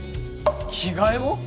着替えも！？